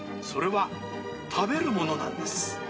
それは食べるものなんです。